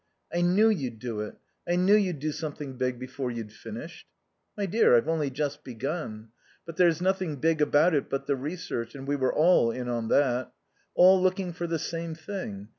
"I knew you'd do it. I knew you'd do something big before you'd finished." "My dear, I've only just begun. But there's nothing big about it but the research, and we were all in that. All looking for the same thing.